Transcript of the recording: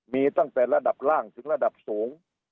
มีตั้งแต่ระดับล่างถึงระดับสูง